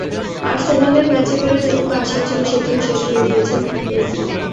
আর্সেনালের ম্যাচে ফেরার যেটুকু আশাও ছিল, সেটিও শেষ করে দিয়েছেন মেসি।